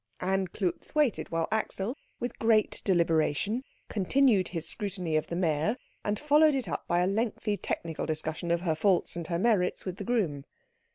And Klutz waited, while Axel, with great deliberation, continued his scrutiny of the mare, and followed it up by a lengthy technical discussion of her faults and her merits with the groom.